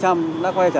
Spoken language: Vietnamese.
cảm thấy như thế